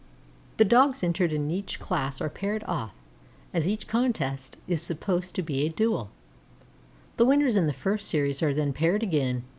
The Dogs entered in each class are paired off, as each contest is supposed to be a duel; the winners in the first series are then paired again.